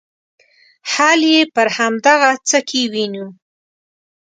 حل یې پر همدغه څه کې وینو.